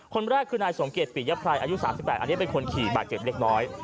คนแรกคือนายสมเกียจปิยภัยอายุ๓๘อันนี้เป็นคนขี่บาดเจ็บเล็กน้อย